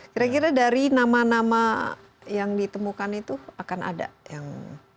kira kira dari nama nama yang ditemukan itu akan ada yang